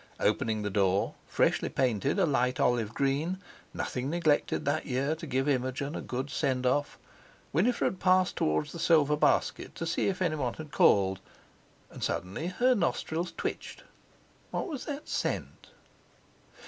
Opening the door—freshly painted a light olive green; nothing neglected that year to give Imogen a good send off—Winifred passed towards the silver basket to see if anyone had called, and suddenly her nostrils twitched. What was that scent?